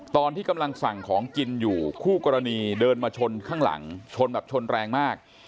ตอนที่กำลังสั่งของกินอยู่คู่กรณีเดินมาชนข้างหลังชนแบบชนแรงมาก